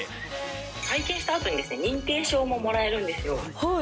体験したあとに認定証ももらえるんですよ。